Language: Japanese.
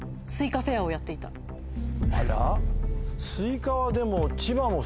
あら？